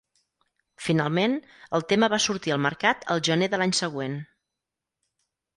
Finalment, el tema va sortir al mercat el gener de l'any següent.